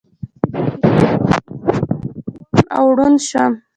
چې دا کتاب مې اخيست؛ ور باندې کوڼ او ړونډ شوم.